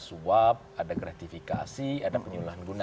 suap ada gratifikasi ada penyuluhan guna